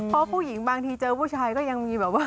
เพราะผู้หญิงบางทีเจอผู้ชายก็ยังมีแบบว่า